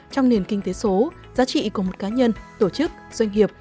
trong nền kinh tế số giá trị của một cá nhân tổ chức doanh nghiệp